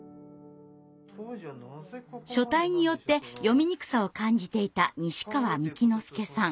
書体によって読みにくさを感じていた西川幹之佑さん。